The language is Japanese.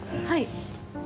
はい。